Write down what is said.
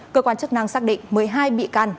cơ quan chức năng xác định một mươi hai bị can